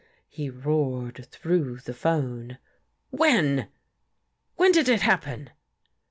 " he roared through the 'phone. " When? When did it happen?